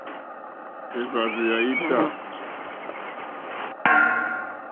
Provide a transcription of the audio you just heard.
Èhvàrzù ya ita.